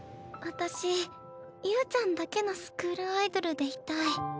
私侑ちゃんだけのスクールアイドルでいたい。